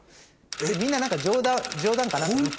みんな冗談かなと思って。